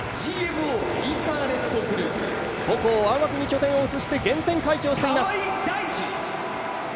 母校・青学に拠点を移して原点回帰をしています。